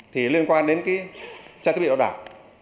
thì liên quan đến cái trang thiết bị đo đảo